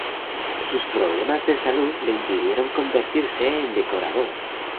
Sus problemas de salud le impidieron convertirse en decorador.